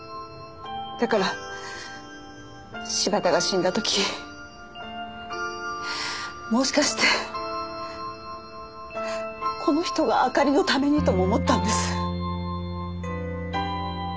だから柴田が死んだ時もしかしてこの人があかりのためにとも思ったんです。